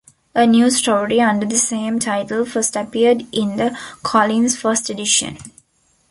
A new story under the same title first appeared in the Collins first edition.